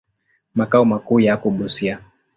Makao makuu yako Busia.